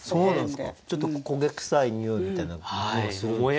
ちょっと焦げ臭いにおいみたいなのがするんですね。